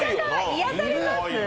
癒やされますぅ。